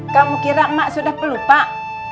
kamu kira emak sudah pelupak